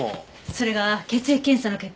それが血液検査の結果